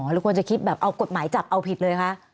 หรือควรจะคิดแบบเอากฎหมายจับเอาผิดเลยคะ